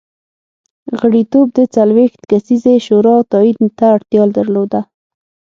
غړیتوب د څلوېښت کسیزې شورا تایید ته اړتیا درلوده